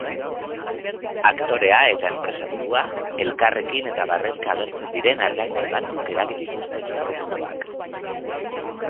Aktorea eta enpresaburua elkarrekin eta barrezka agertzen diren argazki batzuek eragin dituzte zurrumurruak.